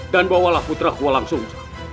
dan bawalah putraku langsung